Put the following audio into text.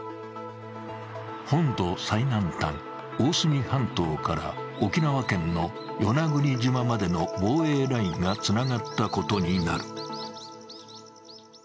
本土最南端・大隅半島から沖縄県の与那国島までの防衛ラインがつながったことになる。